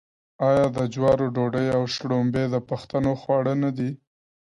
آیا د جوارو ډوډۍ او شړومبې د پښتنو خواړه نه دي؟